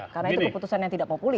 karena itu keputusan yang tidak populis